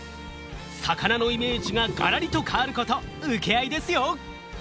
魚のイメージがガラリと変わること請け合いですよ！